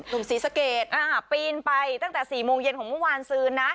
หนุ่มสีสะเกดอ่าปีนไปตั้งแต่สี่โมงเย็นของเมื่อวานซื้อน่ะ